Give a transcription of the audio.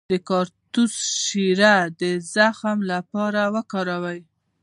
د کاکتوس شیره د زخم لپاره وکاروئ